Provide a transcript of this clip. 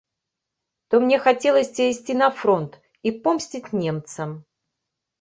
То мне хацелася ісці на фронт і помсціць немцам.